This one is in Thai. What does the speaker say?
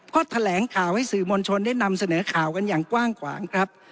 ก็แถลงข่าวให้สื่อมวลชนได้นำเสนอข่าวกันอย่างกว้างขวางครับ